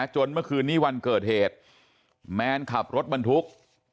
เมื่อคืนนี้วันเกิดเหตุแมนขับรถบรรทุก